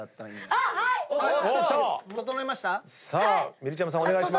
みりちゃむさんお願いします。